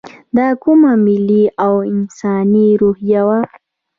دا کومه ملي او انساني روحیه وه.